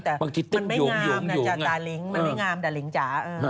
แต่มันไม่งามด่าลิงค์จ้ะ